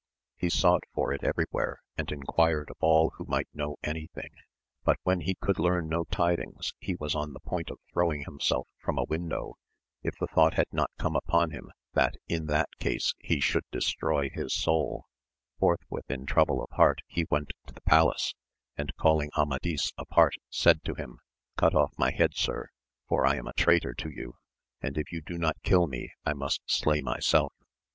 He sought for it every where, and enquired of all who might know any thing ; but when he could learn no tidings he was on the point of throwing himself from a window, if the thought had not come upon him that in that case he should destroy his soul ; forthwith in trouble of heart he went to the palace, and calling Amadis apart said to him. Cut off my head sir, for I am a traitor to you ; and if you do not kill me I must slay myself.